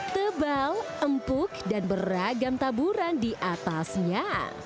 tebal empuk dan beragam taburan di atasnya